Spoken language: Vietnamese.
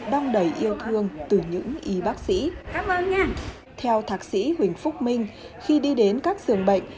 đong đầy yêu thương từ những y bác sĩ khám theo thạc sĩ huỳnh phúc minh khi đi đến các dường bệnh